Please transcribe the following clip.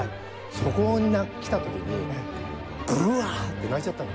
そこにきた時にぶわって泣いちゃったの。